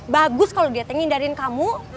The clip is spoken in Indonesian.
bagus kalau dia teh ngindarin kamu